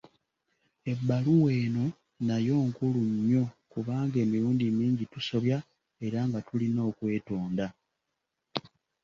Ebbaluwa eno nayo nkulu nnyo kubanga emirundi mingi tusobya, era nga tulIna okwetonda!